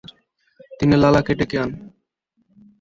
গিয়ে লালাকে ডেকে আন।